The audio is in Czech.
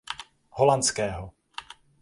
Holandského.